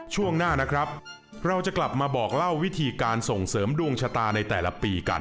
ช่วงหน้านะครับเราจะกลับมาบอกเล่าวิธีการส่งเสริมดวงชะตาในแต่ละปีกัน